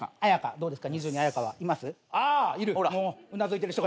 どうですか？